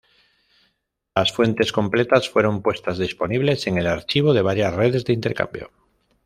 Las fuentes completas fueron puestas disponibles en el archivo de varias redes de intercambio.